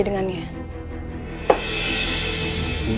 apa yang terjadi dengannya